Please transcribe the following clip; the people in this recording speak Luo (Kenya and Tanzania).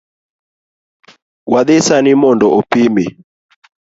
Wadhi sani mondo opimi